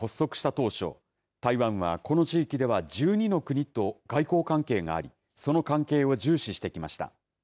当初台湾は、この地域では１２の国と外交関係がありその関係を重視してきました。